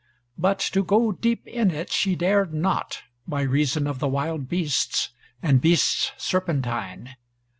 But to go deep in it she dared not, by reason of the wild beasts, and beasts serpentine.